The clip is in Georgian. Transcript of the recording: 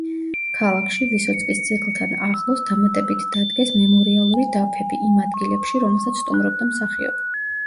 ქალაქში, ვისოცკის ძეგლთან ახლოს, დამატებით დადგეს მემორიალური დაფები, იმ ადგილებში, რომელსაც სტუმრობდა მსახიობი.